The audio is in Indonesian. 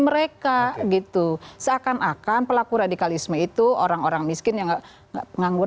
mereka gitu seakan akan pelaku radikalisme itu orang orang miskin yang enggak pengangguran